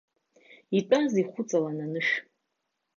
Итәаз ихәыҵалан анышә?